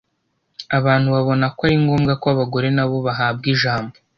Abantu babona ko ari ngombwa ko abagore na bo bahabwa ijambo,